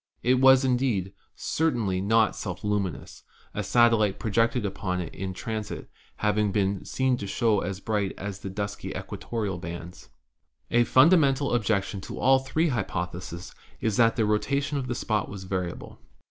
It was, indeed, certainly not self luminous, a satellite pro jected upon it in transit having been seen to show as bright as upon the dusky equatorial bands. "A fundamental objection to all three hypotheses is that the rotation of the spot was variable.